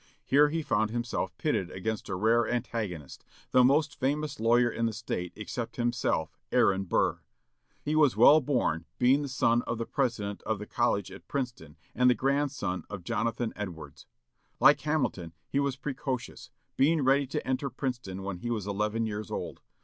Here he found himself pitted against a rare antagonist, the most famous lawyer in the State except himself, Aaron Burr. He was well born, being the son of the president of the college at Princeton, and the grandson of Jonathan Edwards. Like Hamilton, he was precocious; being ready to enter Princeton when he was eleven years old.